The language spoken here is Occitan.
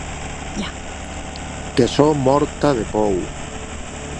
Que sò mòrta de pòur!